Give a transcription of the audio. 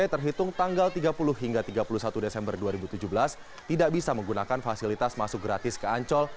terhitung tanggal tiga puluh hingga tiga puluh satu desember dua ribu tujuh belas tidak bisa menggunakan fasilitas masuk gratis ke ancol